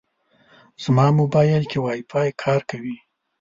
زما موبایل کې وايفای کار کوي.